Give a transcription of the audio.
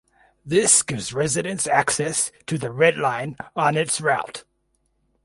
This gives residents access to the Red Line on its route.